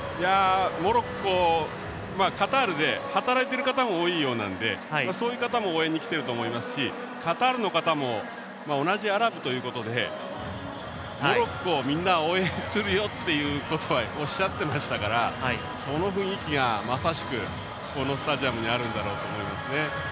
モロッコ、カタールで働いてる方も多いようなのでそういう方も応援に来ていると思いますしカタールの方も同じアラブということでモロッコをみんな応援するよっていうことはおっしゃってましたからその雰囲気がまさしくこのスタジアムにあるんだろうと思います。